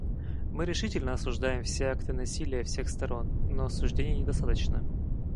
Мы решительно осуждаем все акты насилия всех сторон; но осуждения недостаточно.